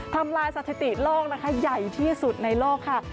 ทำลายสถิติโลกนะคะใหญ่ที่สุดในโลกค่ะ